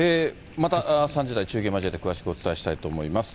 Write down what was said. また３時台、中継交えて詳しくお伝えしたいと思います。